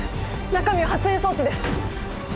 中身は発煙装置です！